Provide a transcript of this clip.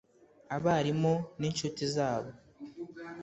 abarimu n’inshuti zabo